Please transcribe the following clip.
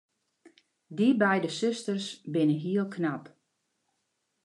Dy beide susters binne hiel knap.